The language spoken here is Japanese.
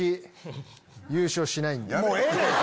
もうええねん！